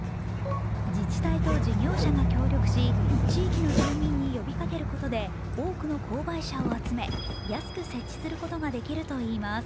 自治体と事業者が協力し地域の住民に呼びかけることで多くの購買者を集め、安く設置することができるといいます。